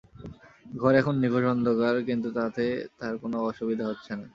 ঘর এখন নিকষ অন্ধকার, কিন্তু তাতে তার কোনো অসুবিধা হচ্ছে না।